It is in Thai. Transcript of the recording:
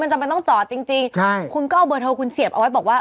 จำเป็นต้องจอดจริงจริงใช่คุณก็เอาเบอร์โทรคุณเสียบเอาไว้บอกว่า